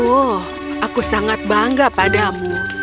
oh aku sangat bangga padamu